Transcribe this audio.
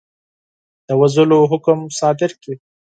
د وژلو حکم صادر کړي.